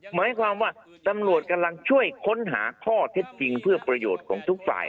หมายความว่าตำรวจกำลังช่วยค้นหาข้อเท็จจริงเพื่อประโยชน์ของทุกฝ่าย